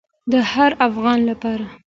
د هر افغان لپاره.